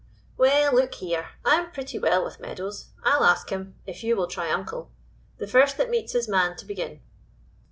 "Well, look here, I'm pretty well with Meadows. I'll ask him if you will try uncle; the first that meets his man to begin."